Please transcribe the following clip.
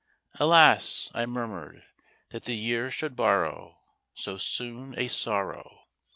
Alas! I murmured, that the Year should borrow So soon a sorrow.